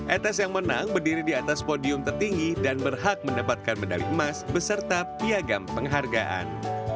etes yang menang berdiri di atas podium tertinggi dan berhak mendapatkan medali emas beserta piagam penghargaan